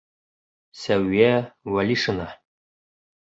Сәүиә ВӘЛИШИНА.